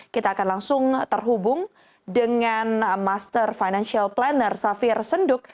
kita akan langsung terhubung dengan master financial planner safir senduk